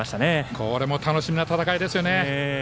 これも楽しみな戦いですよね。